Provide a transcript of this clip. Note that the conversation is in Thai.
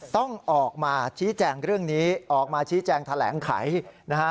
ต้องออกมาชี้แจงเรื่องนี้ออกมาชี้แจงแถลงไขนะฮะ